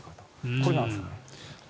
これなんですね。